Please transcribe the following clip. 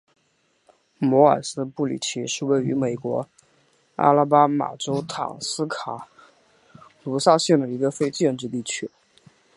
摩尔斯布里奇是位于美国阿拉巴马州塔斯卡卢萨县的一个非建制地区。